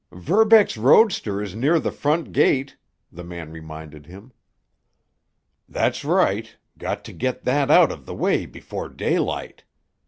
"Verbeck's roadster is near the front gate," the man reminded him. "That's right—got to get that out of the way before daylight.